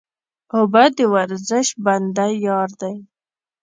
اوبه د ورزش بنده یار دی